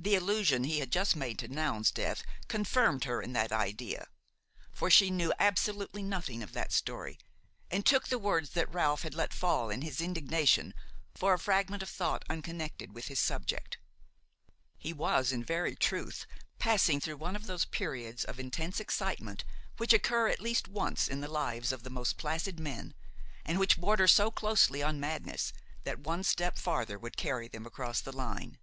The allusion he had just made to Noun's death confirmed her in that idea; for she knew absolutely nothing of that story and took the words that Ralph had let fall in his indignation for a fragment of thought unconnected with his subject. He was, in very truth, passing through one of those periods of intense excitement which occur at least once in the lives of the most placid men, and which border so closely on madness that one step farther would carry them across the line.